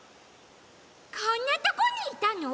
こんなとこにいたの？